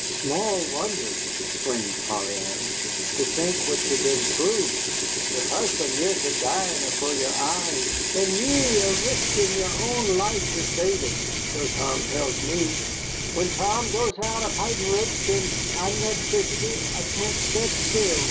"Small wonder!" exclaimed Polly Ann. "To think what ye've been through yere husband near to dyin' afore yere eyes, and ye a reskin' yere own life to save him so Tom tells me. When Tom goes out a fightin' redskins I'm that fidgety I can't set still.